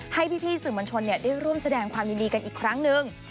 ให้พี่สื่อมวลชนได้ร่วมแสดงความยินดีกันอีกครั้งหนึ่ง